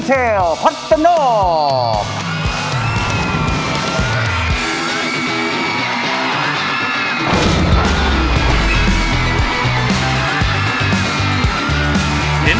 จริงเหรอ